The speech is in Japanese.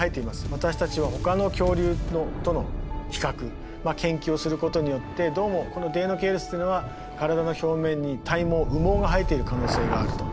私たちはほかの恐竜との比較研究をすることによってどうもこのデイノケイルスっていうのは体の表面に体毛羽毛が生えている可能性があると。